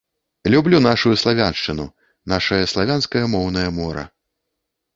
Люблю нашую славяншчыну, нашае славянскае моўнае мора!